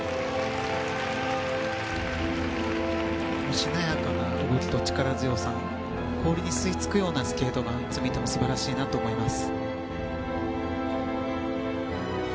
しなやかな動きと力強さ氷に吸いつくようなスケートがいつ見ても素晴らしいなと思います。